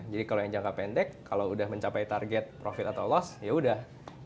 jadi kalau yang jangka pendek kalau sudah mencapai target profit atau loss ya sudah